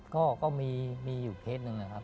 ก็มีอยู่เคสหนึ่งนะครับ